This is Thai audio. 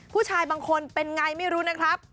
ผู้ชายบางคนเป็นไงไม่รู้นะครับ